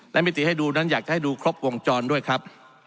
และมิติให้ดูนั้นอยากจะให้ดูครบวงจรด้วยครับ